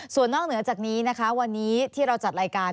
ส่วนนอกเหนือจากนี้นะคะวันนี้ที่เราจัดรายการ